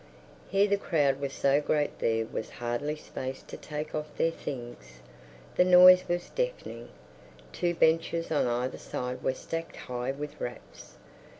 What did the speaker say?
Here the crowd was so great there was hardly space to take off their things; the noise was deafening. Two benches on either side were stacked high with wraps.